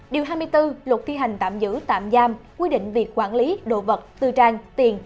điều hai mươi bốn luật thi hành tạm giữ tạm giam quy định việc quản lý đồ vật tư trang tiền